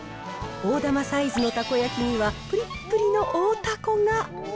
大玉サイズのたこ焼きにはぷりっぷりの大たこが。